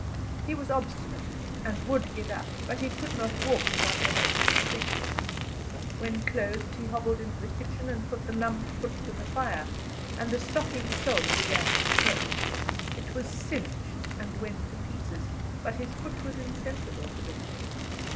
He was obstinate, and would get up; but he could not walk without the help of a stick. When clothed, he hobbled into the kitchen and put the numbed foot to the fire, and the stocking sole began to smoke, it was singed and went to pieces, but his foot was insensible to the heat.